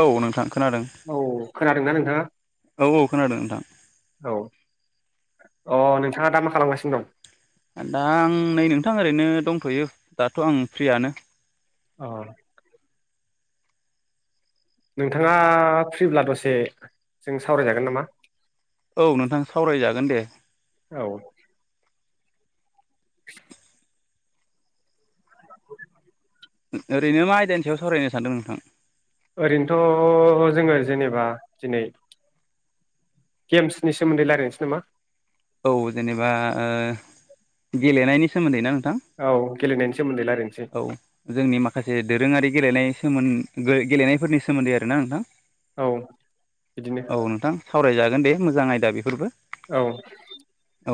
औ नोंथां। खोनादों औ खोनादोंना नोंथाङा। औ औ खोनादों नोंथां। औ अ नोंथाङा दा मा खालामगासिनो दं। दा आं नै नोंथां ओरैनो दंथ'यो दाथ' आं फ्रियानो। अ। नोंथाङा फ्रिब्ला दसे जों सावरायजागोन नामा औ नोंथां सावरायजागोन दे औ ओरैनो मा आयदानि सायाव सावरायनो सानदोंमोन नोंथां ओरैनोथ' जोङो जेनेबा दिनै गेम्सनि सोमोन्दै रायज्लायनोसै नामा औ जेनेबा ओ गेलेनायनि सोमोन्दै ना औ गेलेनायनि सोमोन्दै रायज्लायनोसै औ जोंनि माखासे दोरोङारि गेलेनाय सोमोन गेलेनायफोरनि सोमोन्दै आरोना नोंथां औ बिदिनो औ नोंथां सावरायजागोन दे मोजां आयदा बेफोरबो औ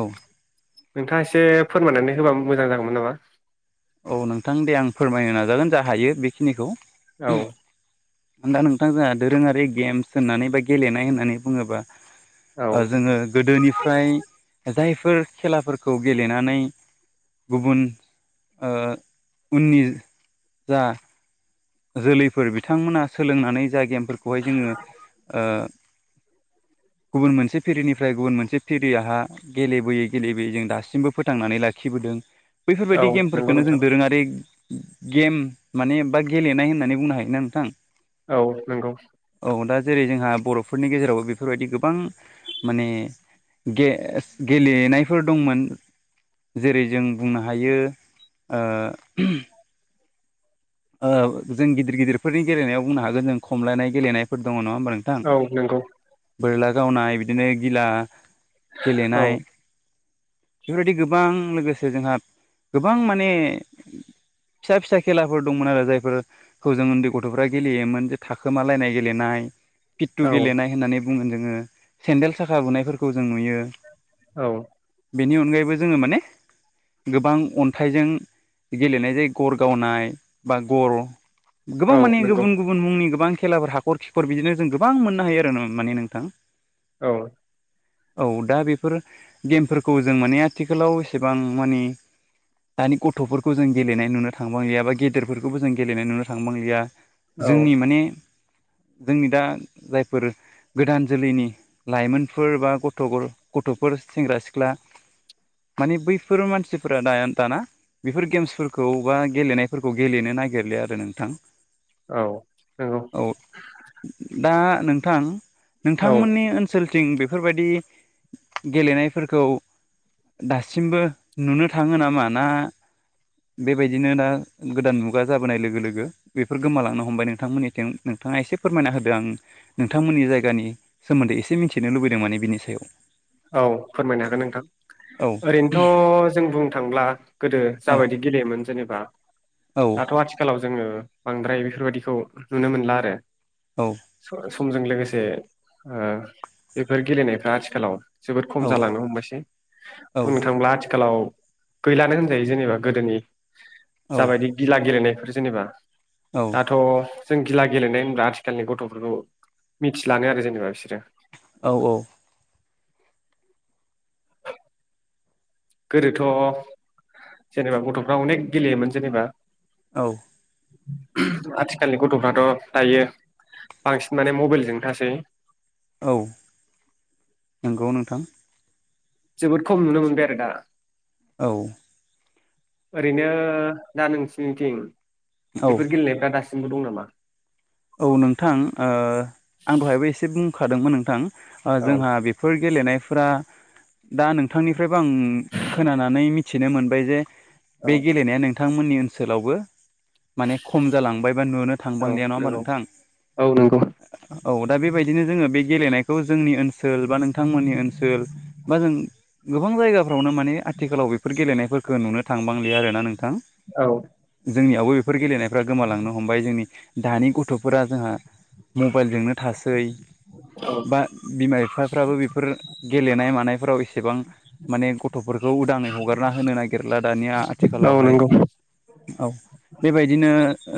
औ एसे फोरमायनानै होबा मोजां जागौमोन नामा औ नोंथां दे आं फोरमायनो नाजागोन जा हायो बेखिनिखौ औ आं दा नोंथां जोंहा दोरोङारि गेम्स होननानै बा गेलेनाय होननानै बुङोबा औ जोङो गोदोनिफ्राय जाय फोर खेलाफोरखौ गेलेनानै गुबुन ओ उननि जा जोलैफोर बिथांमोना सोलोंनानै जा गेमफोरखौहाय जोङो ओ [unintelligible] गुबुन मोनसे फिरिनिफ्राय गुबुन मोनसे फिरियहा गेलेबोयै गेलेबोयै जों दासिमबो फोथांनानै ला लाखिबोदों औ बैफोरबायदि नंगौ गेमफोरखौननो जों नोंथां दोरोङारि गेम माने बा गेलेनाय होननानै बुंनो हायोना नोंथां औ नंगौ अ दा जेरै जोंहा बर'फोरनि गेजेरावबो बेफोरबायदि गोबां माने गेस गेलेनायफोर दंमोन जेरै जों बुंनो हायो ओ [unintelligible] ओ जों गिदिर गिदिरफोरनि गेलेनायाव बुंनो हागोन जों खमलायनाय गेलेनायफोर दङ' नङा होम औ नंगौ बोरला गावनाय बिदिनो गिला औ गेलेनाय बेफोरबायदि गोबां लोगोसे जोंहा गोबां माने फिसा फिसा खेला फोर दंमोन आरो जायफोर हजों उन्दै गथ'फ्रा गेलेयोमोन जे थाखोमालायनाय गेलेनाय फिटटु औ गेलेनाय होननानै बुङो जोङो सेन्देल साखा बुनायफोरखौ जों नुयो औ बेनि अनगायैबो जोङो माने गोबां अन्थाइजों गेलेनाय जायो गर गावनाय बा गर' गोबां औ माने नंगौ गुबुन गुबुन मुंनि गोबां खेलाफोर हाखर खिखर बिदिनो जों गोबां मोननो हायो आरो नो माने नोंथां औ औ दा बेफोर गेमफोरखौ जों माने आथिखालाव एसेबां मानि दानि गथ'फोरखौ जों गेलेनाय नुनो थांबांलिया बा गे देरफोरखौबो जों गेलेनाय नुनो थांबांलिया औ जोंनि माने जोंनि दा जायफोर गोदान जोलैनि लाइमोनफोर बा गथ' गर ग गथ'फोर सेंग्रा सिख्ला माने बैफोर मानसिफोरा दाया दाना बेफोर गेम्सफोरखौ बा गेलेनाय फोरखौ गेलेनो नागिरलिया आरो नोंथां औ ओ औ दा नोंथां नोंथांमोननि ओनसोल थिं बेफोरबायदि गेलेनायफोरखौ दासिमबो नुनो थाङो नामा ना बेबायदिनो दा गोदान मुगा जाबोनाय लोगो लोगो बेफोर गोमालांनो हमबाय नोंथांमोननिथिं नोंथाङा एसे फोरमायना होदो आं नोंथांमोननि जायगानि सोमोन्दै एसे मिथिनो लुबैदों माने बिनि सायाव औ फोरमायनो हागोन नोंथां औ ओरैनोथ' जों बुंनो थांब्ला गोदो औ जाबायदि गेलेयोमोन जेनेबा औ दाथ' आथिखालाव जोङो बांद्राय बेफोरबायदिखौ नुनो मोनला आरो औ सर समजों लोगोसे ओ बेफोर गेलेनायफ्रा आथिखालाव जोबोद खम औ जालांनो हमबायसै औ बुंनो थांब्ला आथिखालाव गैलानो होनजायो जेनेबा गोदोनि औ जाबायदि गिला गेलेनायफोर जेनेबा दाथ' जों गिला गेलेनाय होनब्ला आथिखालनि गथ'फोरखौ मिथिलानो आरो जेनेबा बिसोरो औ औ गोदोथ' जेनेबा गथ'फ्रा अनेक गेलेयोमोन जेनेबा औ आथिखालनि गथ'फ्राथ' दायो बांसिन माने मबाइलजोंनो थासै औ नोंगौ नोंथां जोबोद खम नुनो मोनबाय आरो दा औ ओरैनो दा नोंसिनिथिं औ बेफोर गेलेनायफ्रा दास सिमबो दं नामा औ नोंथां ओ आं दहायबो एसे बुंखादोंमोन नोंथां ओ औ जोंहा बेफोर गेलेनायफोरा दा नोंथांनिफ्रायबो आं खोनानानै मिथिनो मोनबाय जे औ बे गेलेनाया नोंथांमोननि ओनसोलावबो माने खम जालांबायबा नुनो औ थांबांलिया नङा होमबा नंगौ नों थां। औ नंगौ औ दा बेबायदिनो जोङो बे गेलेनायखौ जोंनि ओनसोल बा नोंथांमोननि ओनसोल बा जों गोबां जायगाफ्रावनो माने आथिखालाव बेफोर गेलेनायफोरखो नुनो थांबांलिया आरो ना नोंथां। औ जोंनियावबो बेफोर गेलेनायफ्रा गोमालांनो हमबाय। जोंनि दानि गथ' दा जोंहा मबाइलजोंनो थासै। औ बा बिमा बिफाफ्राबो बेफोरो गेलेनाय मानायफोराव एसेबां माने गथ'फोरखौ उदाङै हगारना होनो नागिरला दानिया औ आथिखालावहाय। नंगौ औ बेबायदिनो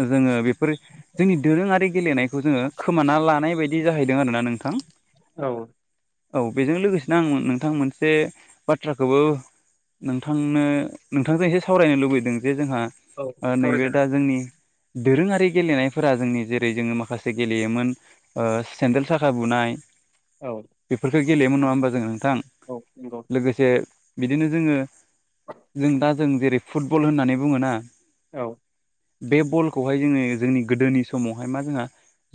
जोङो बेफोर जोंनि दोरोङारि गेलेनायखौ जोङो खोमाना लानाय बायदि जाहैदों आरो ना नोंथां। औ। औ बेजों लोगोसेनो आं नोंथां मोनसे बाथ्राखोबो नोंथांनो नोंथांजों एसे सावरायनो लुबैदों जे जोंहा औ ओ नैबे सावरायजागोन दा जोंनि दोरोङारि गेलेनायफोरा जोंनि जेरै जोङो माखासे गेलेयोमोन ओ सेन्देल साखा बुनाय औ बेफोरखो गेलेयोमोन नङा होमबा जों नोंथां औ नंगौ लोगोसे बिदिनो जोङो जों दा जों जेरै फुटबल होननानै बुङो ना औ। बे बलखौहाय जोङो जोंनि गोदोनि समावहाय मा जोंहा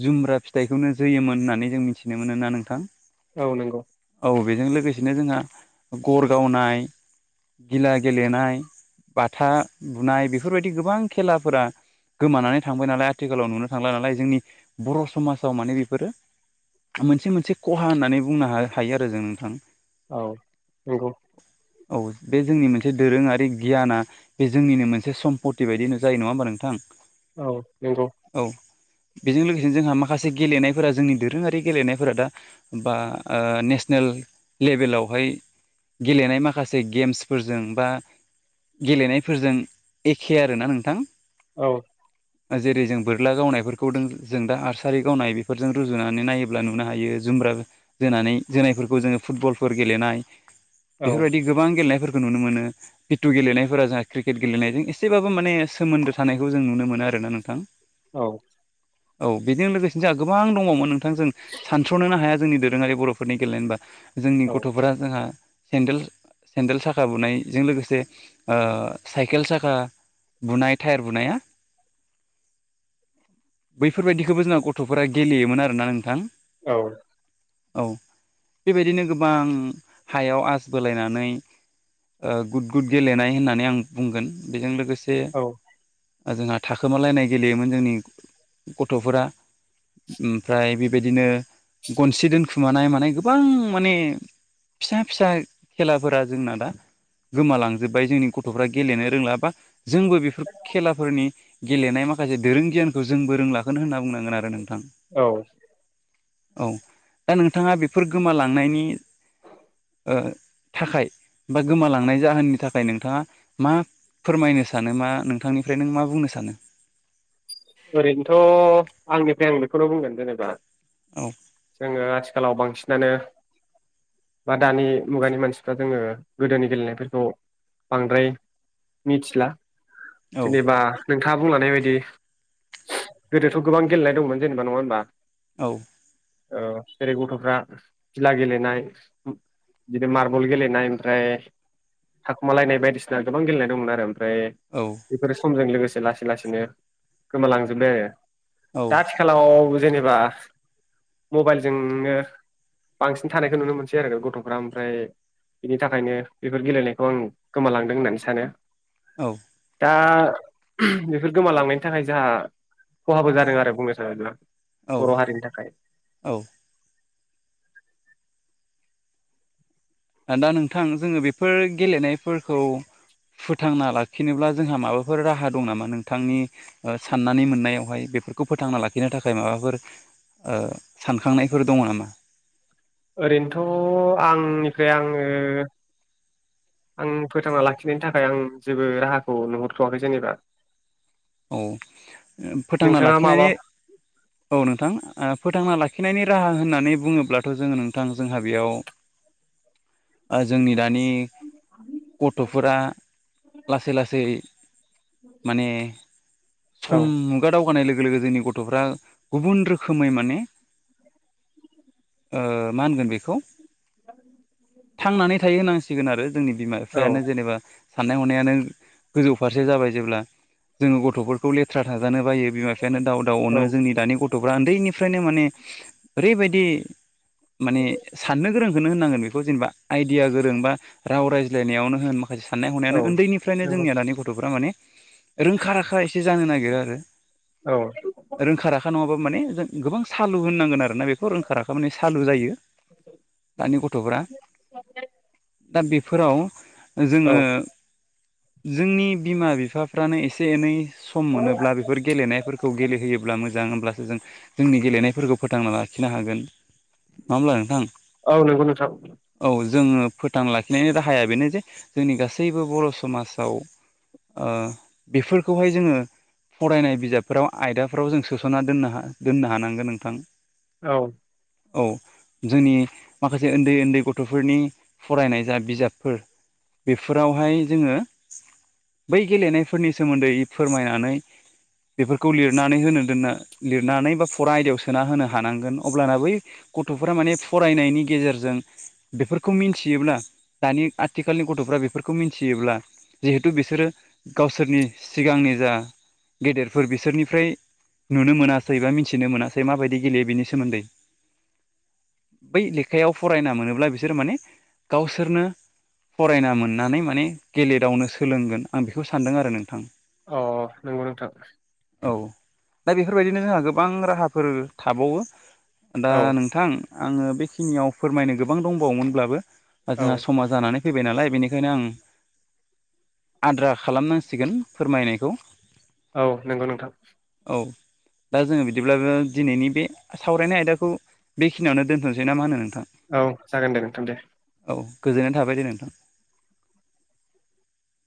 जुमब्रा फिथाइखौनो जोयोमोन होननानै जों मिथिनो मोनो ना नोंथां। औ नोंगौ। औ बेजों लोगोसेनो जोंहा गर गावनाय गिला गेलेनाय बाथा बुनाय बेफोरबायदि गोबां खेलाफोरा गोमानानै थांबाय नालाय आथिखालाव नुनो थांला नालाय जोंनि बर' समाजाव माने बेफोरो मोनसे मोनसे खहा होननानै बुंनो हा-हायो आरो जों नोंथां। औ नंगौ औ बे जोंनि मोनसे दोरोङारि गियाना बे जोंनिनो मोनसे सम्पति बायदिनो जायो नङा होमबा नोंथां। औ नंगौ। औ। बेजों लोगोसे जोंहा माखासे गेलेनायफोरा जोंनि दोरोङारि गेलेनायफोरा दा बा ओ नेसने ल लेभेलावहाय गेलेनाय माखासे गेम्सफोरजों बा गेलेनायफोरजों एखे आरो ना नोंथां। औ। ओ जेरै जोंफोर गुला गावनायफोरखौ दों जों दा आर्सारि गावनाय बेफोरजों रुजुनानै नायोब्ला नुनो हायो जुमब्रा जोना नै जोनायफोरखौ जोङो फुटबलफोर गेलेनाय औ बेफोरबायदि गोबां गेलेनायफोर खौ नुनो मोनो। फिथु गेलेनायफोरा जोंहा क्रिकेट गेलेनायजों एसेबाबो माने सोमोन्दो थानायखौ जों नुनो मोनो आ रो ना नोंथां। औ। औ बेजों लोगोसेनो जोंहा गोबां दङ'मोन नोंथां जों सानथ्रनोनो हाया जोंनि दोरोङारि बर'फोरनि गेलेेनाय होनबा। जोंनि गथ'फोरा जोंहा सेन्देल सेन्देल साखा बुनायजों लोगोसे ओ साइकेल साखा बुनाय थाइयार बुनाया [inaudible] बैफोरबायदिखोबो जोंना गथ'फोरा गेलेयोमोन आरो ना नोंथां । औ। औ बेबायदिनो गोबां हायाव आस बोलायनानै ओ गुद गुद गेलेनाय होननानै आं बुंगोन बेजों लोगो से ओ जोंहा थाखोमालायनाय गेलेयोमोन जोंनि गथ'फोरा। ओमफ्राय बेबायदिनो गनसि दोनखुमानाय मानाय गोबां माने फिसा फिसा खेलाफोरा जोंना दा गोमालांजोब्बाय जोंनि गथ'फ्रा गेलेनो रोंला बा जोंबो बेफोर खेलाफोरनि गेलेनाय माखासे दोरों गियानखौ जोंबो रोंलाखोनो होनना बुंनांगोन आरो नों औ । औ दा नोंथाङा बेफोर गोमालांनायनि ओ थाखाय बा गोमालांनाय जाहोननि थाखाय नोंथाङा मा फोरमायनो सानो मा नोंथांनिफ्राय नों मा बुंनो सानो? ओरैनोथ' आंनिफ्राय आं बेखौनो बुंगोन जेनेबा औ जोङो आथिखालाव बांसिनानो बा दानि मुगानि मानसिफ्रा जोङो गोदोनि गेलेनायफोरखौ बांद्राय मिथिला औ जेनेबा नोंथाङा बुंलानाय बायदि गोदोथ' गोबां गेलेनाय दंमोन जेनेबा नङा होमबा? औ । ओ जेरै गथ'फ्रा गिला गेलेनाय बिदि मार्बल गेलेनाय ओमफ्राय थाखुमालायनाय बायदिसिना गोबां गेलेनाय दंमोन आरो ओमफ्राय औ बेफोर समजों लोगोसे लासै लासैनो गोमालांजोबबाय आरो । दा आथिखालाव जेनेबा मबाइलजोंनो बांसिन थानायखौ नुनो मोनसै आरो गथ'फ्रा ओमफ्राय बिनि थाखायनो बेफोर गेलेनायखौ आं गोमालांदों होननानै सानो । औ । दा बेफोर गोमालांनायनि थाखाय जोंहा खहाबो जादों आरो बुंनो थाङोब्ला औ बर' हारिनि थाखाय । औ ओ दा नोंथां जोङो बेफोर गेलेनायफोरखौ फोथांना लाखिनोब्ला जोंहा माबाफोर राहा दं नामा नोंथांनि साननानै मोननायावहाय बेफोरखौ फोथांना लाखिनो थाखाय माबाफोर ओ सानखांनायफोर दङ नामा? ओरैनोथ' आंनिफ्राय आङो आं फोथांना लाखिनायनि थाखाय आं जेबो राहाखौ नुहरथ'वाखै जेनेबा । औ ।फोथांना माबा लाखिनानै औ नोंथां फोथांना लाखि आखिनायनि राहा होननानै बुङोब्लाथ' जोङो नोंथां जोंहा बेयाव जोंनि द मानि गथ'फोरा लासै लासै माने औ सम मुगादाव जौगानायनाय लोगो लोगो जोंनि गथ'फ्रा गुबुन रोखोमै माने ओ मा होनगोन बेखौ? थांनानै थायो होनांसिगोन ।आरो जोंनि बिमा औ बिफायानो जेनेबा। साननाय हनायानो गोजौ फारसे जाबाय जेब्ला, जोङो गथ'फोरखौ लेथ्रा थाजानो बायो बिमा बिफ बेखायनो दाउ दाउ अनो औ ।जोंनि दानि गथ'फ्रा उन्दैनिफ्रायनो माने ओरैबायदि माने साननो गोरोंखौनो होननांगोन बेखौ जेनेबा आइडिया गोरों बा राव रायज्लायनायावनो होन माखासे साननाय औ हनायानो उन्दैनिफ्रायनो नंगौ जोंनिया दानि गथ'फोरा माने रोंखा राखा एसे जानो नागिरो ।आरो औ रोंखा राखा नङाब्ला माने जों गोबां सालु होननांगो। आरोना बेखौ रोंखाराखै माने सालु जायो। दानि गथ'फोरा दा बेफोराव जोङो औ जोंनि बिमा बिफाफ्रानो एसे एनै सम मोनोब्ला बेफोर गेलेनायफोरखौ गेलेहैयोब्ला मोजां मोजां होमब्लासो जों जोंनि गेलेनायफोरखौ फोथांना लाखिनो हागोन। मा होमब्ला नोंथां? औ नंगौ नोंथां औ। जोङो फोथां लाखिनायनि राहाया बेनो जे जोंनि गासैबो बर' समाजाव बेफोरखौहाय जोङो फरायनाय बिजाबफोराव आयदाफोराव जों सोस'ना दोननो दोननो हानांगोन नोंथां। औ। औ ।जोंनि माखासे उन्दै उन्दै गथ'फोरनि फरायनाय जा बिजाबफोर बेफोरावहाय जोङो बै गेलेनाय फोरनि सोमोन्दै फोरमायनानै बेफोरखौ लिरनानै होनो दोननो लिरनानै बा फरा आयदायाव सोना होनो हानांगोन अब्लाना बै गथ'फोरा माने फरायनायनि गेजेरजों बेफोरखौ मिथियोब्ला दानि आथिखालनि गथ'फ्रा बेफोरखौ मिथियोब्ला जिहेथु बिसोरो गावसोरनि सिगांनि जा गेदेरफोर बिसोरनिफ्राय नुनो मोनासै बा मिथिनो मोनासै माबायदि गेलेयो बेनि सोमोन्दै बै लेखायाव फरायना मोनोब्ला बिसोरो माने गावसोरनो फरायना मोननानै माने गेलेदावनो सोलोंगोन आं बेखौ सानदों आरो नोंथां अ नंगौ नोंथां औ दा बेफोरबायदिनो जोंहा गोबां राहाफोर थाबावो दा औ नोंथां आङो बेखिनियाव फोरमायनो गोबां दंबावोमोनब्लाबो औ जोंहा समा जानानै फैबाय नालाय बेनिखायनो आं आद्रा खालामनांसिगोन फोरमायनायखौ औ नंगौ नोंथां औ दा जोङो बिदिब्लाबो दिनैनि बे सावरायनाय आयदाखौ बेखिनियाव दोनथ'सै मा होनो नोंथां औ जागोन दे नोंथां दे औ गोजोननाय थाबाय दे नोंथां